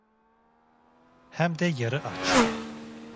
Hem de yarı aç.